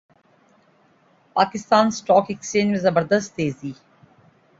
Pakistan stock exchange میں زبردست تیزی